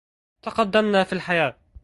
تقدمنا في الحياة.